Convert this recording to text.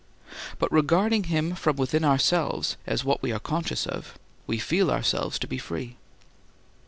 But regarding him from within ourselves as what we are conscious of, we feel ourselves to be free.